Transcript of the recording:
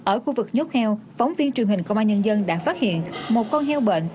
ở khu vực nhốt heo phóng viên truyền hình công an nhân dân đã phát hiện một con heo bệnh